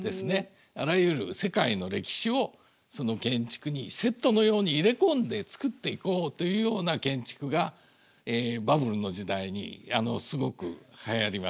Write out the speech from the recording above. あらゆる世界の歴史をその建築にセットのように入れ込んで作っていこうというような建築がバブルの時代にすごくはやりました。